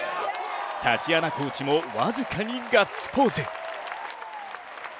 タチアナコーチも僅かにガッツポーズ。